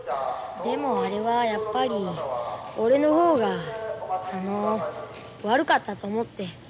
でもあれはやっぱり俺の方があの悪かったと思って。